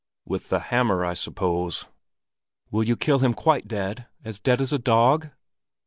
"With the hammer, I suppose." "Will you kill him quite dead, as dead as a dog?"